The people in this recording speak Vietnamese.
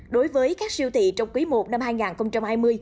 đối với các siêu thị trong quý i năm hai nghìn hai mươi